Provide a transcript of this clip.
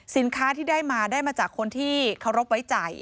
สินค้าที่ได้มาได้มาจากคนที่เคารพไว้ใจ